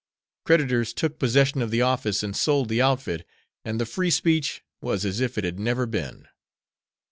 Creditors took possession of the office and sold the outfit, and the Free Speech was as if it had never been.